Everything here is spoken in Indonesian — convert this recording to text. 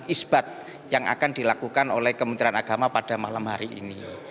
isbat yang akan dilakukan oleh kementerian agama pada malam hari ini